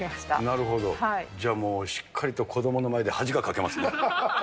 じゃあもう、しっかりと子どもの前で恥がかけますね。